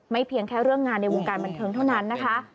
เพียงแค่เรื่องงานในวงการบันเทิงเท่านั้นนะคะ